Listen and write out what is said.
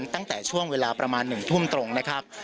ตั้งแต่ช่วงเวลาประมาณ๑ทุ่มตรงนะครับ